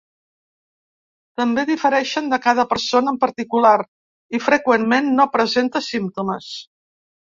També difereixen de cada persona en particular i freqüentment no presenta símptomes.